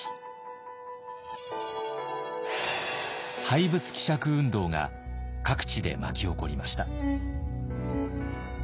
廃仏毀釈運動が各地で巻き起こりました。